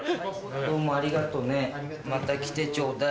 どうもありがとねまた来てちょうだい。